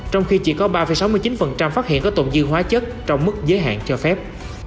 trong khi chỉ có ba sáu mươi chín phát hiện có tồn dư hóa chất trong mức giới hạn cho phép